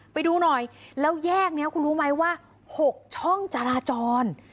ไปดูหน่อยแล้วแยกนี้คุณรู้ไหมว่า๖ช่องจราจร